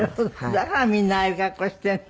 だからみんなああいう格好してるの？